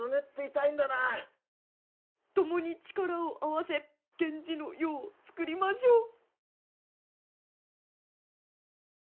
ともに力を合わせ源氏の世をつくりましょう。